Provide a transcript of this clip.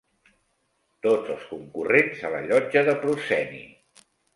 ...tots els concurrents a la llotja de prosceni.